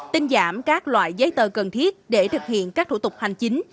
tinh giảm các loại giấy tờ cần thiết để thực hiện các thủ tục hành chính